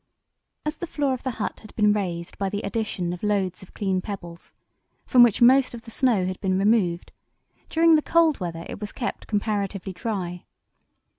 As the floor of the hut had been raised by the addition of loads of clean pebbles, from which most of the snow had been removed, during the cold weather it was kept comparatively dry.